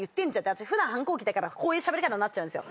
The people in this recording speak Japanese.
私普段反抗期だからこういうしゃべり方になっちゃうんですよ。